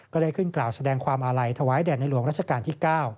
ก็ได้ขึ้นกล่าวแสดงความอาลัยถวายแด่ในหลวงรัชกาลที่๙